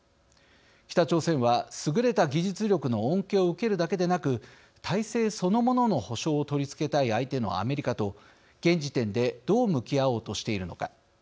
北朝鮮は優れた技術力の恩恵を受けるだけでなく体制そのものの保証を取りつけたい相手のアメリカと現時点でどう向き合おうとしているのか。